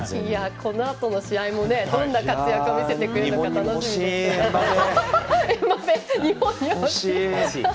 このあとの試合もどんな活躍を見せてくれるのか日本に欲しい！